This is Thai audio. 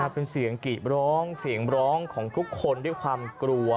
เป็นเสียงกิร้องเสียงร้องของทุกคนด้วยความกลัว